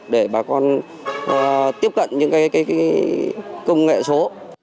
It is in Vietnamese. để bà con tiếp cận những công nghệ số